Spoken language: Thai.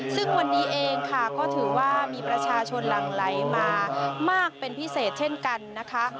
ซึ่งวันนี้เองค่ะก็ถือว่ามีประชาชนหลั่งไหลมามากเป็นพิเศษเช่นกันนะคะ